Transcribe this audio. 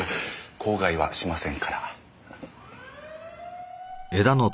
口外はしませんから。